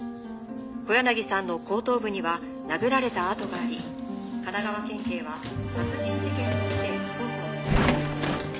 「小柳さんの後頭部には殴られた痕があり神奈川県警は殺人事件として」